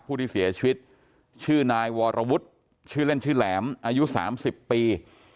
ผู้ที่เสียชีวิตชื่อนายวรวุฒิชื่อเล่นชื่อแหลมอายุ๓๐ปี